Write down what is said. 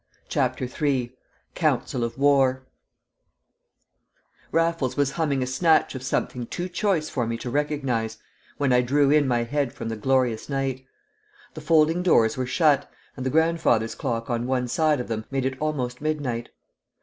CHAPTER III Council of War Raffles was humming a snatch of something too choice for me to recognise when I drew in my head from the glorious night. The folding doors were shut, and the grandfather's clock on one side of them made it almost midnight.